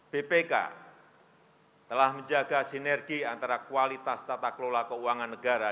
bpk telah menjaga sinergi antara kualitas tata kelola keuangan negara